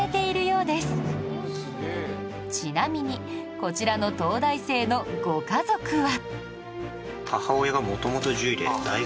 ちなみにこちらの東大生のご家族は